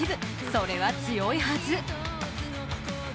それは強いはず。